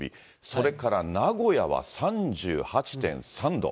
それから名古屋は３８．３度。